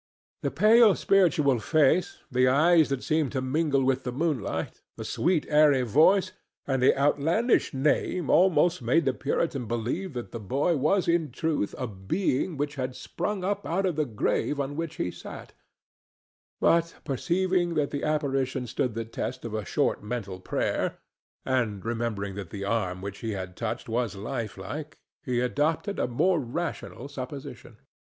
The pale, spiritual face, the eyes that seemed to mingle with the moonlight, the sweet, airy voice and the outlandish name almost made the Puritan believe that the boy was in truth a being which had sprung up out of the grave on which he sat; but perceiving that the apparition stood the test of a short mental prayer, and remembering that the arm which he had touched was lifelike, he adopted a more rational supposition.